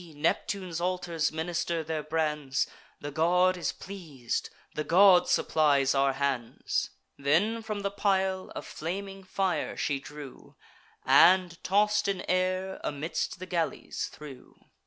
Neptune's altars minister their brands: The god is pleas'd; the god supplies our hands." Then from the pile a flaming fire she drew, And, toss'd in air, amidst the galleys threw.